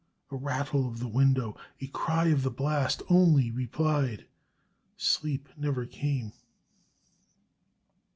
A rattle of the window, a cry of the blast only replied Sleep never came!